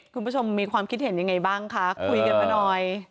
คุณผู้ชมมีความคิดเห็นยังไงบ้างคะคุยกันมาหน่อย